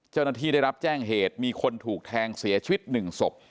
เจ้าหน้าที่ได้รับแจ้งเหตุมีคนถูกแทงเสียชีวิตหนึ่งศพ